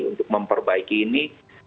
untuk memperbaiki ini